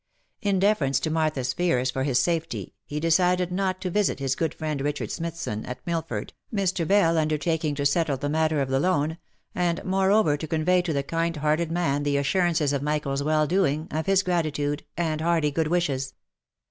In deference to Martha's fears for his safety, he decided not to visit his good friend Richard Smithson, at Mil ford, Mr. Bell undertaking to settle the matter of the loan, and moreover to convey to the kind hearted man the assurances of Mi chael's well doing, of his gratitude, and hearty good wishes.